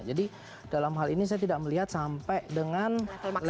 jadi dalam hal ini saya tidak melihat sampai dengan level e